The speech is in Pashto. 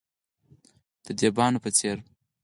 د دیبانو په څیر،